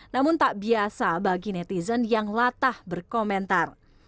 namun tak biasa bagi netizen yang latah berkomentar